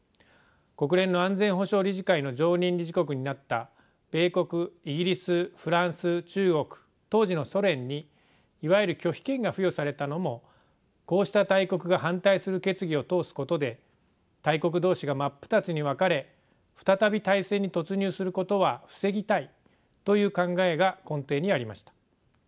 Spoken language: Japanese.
国連の安全保障理事会の常任理事国になった米国イギリスフランス中国当時のソ連にいわゆる拒否権が付与されたのもこうした大国が反対する決議を通すことで大国同士が真っ二つに分かれ再び大戦に突入することは防ぎたいという考えが根底にありました。